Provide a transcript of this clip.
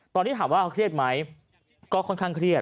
ตอนนี้ถามว่าเอาเครียดไหมก็ค่อนข้างเครียด